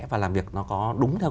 và làm việc nó có đúng theo